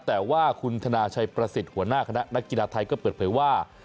แต่ว่าคุณธนาชัยประสิทธิ์หัวหน้าคณะนักกีฬาไทยก็เปิดเผยว่า